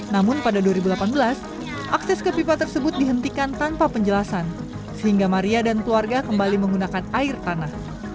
namun pada dua ribu delapan belas akses ke pipa tersebut dihentikan tanpa penjelasan sehingga maria dan keluarga kembali menggunakan air tanah